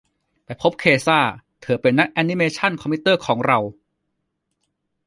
ไปพบเคช่า เธอเป็นนักแอนนิเมชั่นคอมพิวเตอร์ของเรา